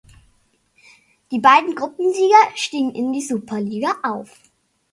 Die beiden Gruppensieger stiegen in die Superliga auf.